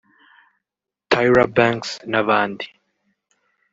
Tyra Banks n’abandi